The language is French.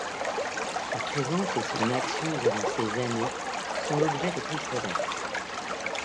Sa présence et son action durant ces années est l'objet de controverses.